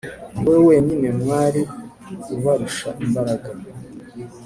Ni wowe wenyine mwami ubarusha imbaraga